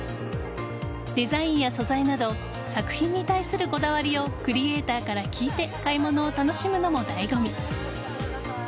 デザインや素材など作品に対するこだわりをクリエイターから聞いて買い物を楽しむのも醍醐味。